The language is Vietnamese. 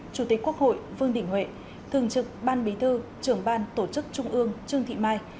chủ tịch quốc hội vương đình huệ thường trực ban bí thư trường ban tổ chức trung ương trương thị mai